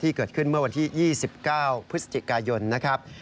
เกิดขึ้นเมื่อวันที่๒๙พฤศจิกายนนะครับ